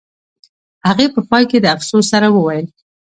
هغې په پای کې د افسوس سره وویل